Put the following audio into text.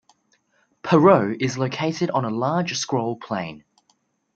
Paerau is located on a large scroll plain.